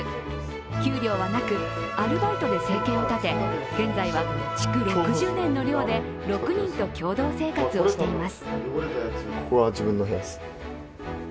給料はなく、アルバイトで生計を立て現在は築６０年の寮で６人と共同生活しています。